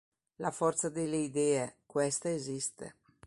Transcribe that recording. La forza delle idee, questa esiste.